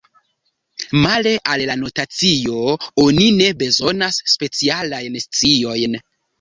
Male al la notacio oni ne bezonas specialajn sciojn.